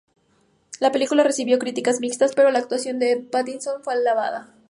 La película recibió críticas mixtas, pero la actuación de Pattinson fue alabada.